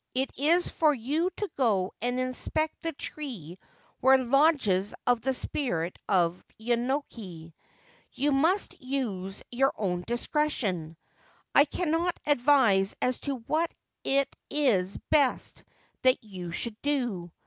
It is for you to go and inspect the tree where lodges the spirit of Yenoki. You must use your own discretion. I cannot advise as to what it is best that you should do.